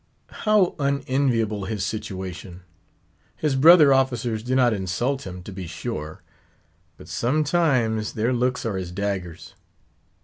How unenviable his situation! His brother officers do not insult him, to be sure; but sometimes their looks are as daggers.